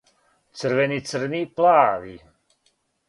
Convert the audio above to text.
црвени црни плави